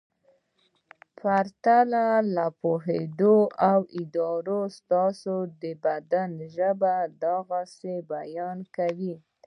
پرته له پوهېدو او ارادې ستاسې د بدن ژبه د غسې بیان کوي.